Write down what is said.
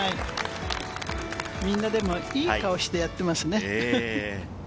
みんな、でも、いい顔をしてやってますよね。